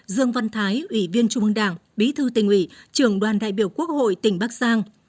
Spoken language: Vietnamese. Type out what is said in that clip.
dương văn thái ủy viên trung ương đảng bí thư tỉnh ủy trường đoàn đại biểu quốc hội tỉnh bắc giang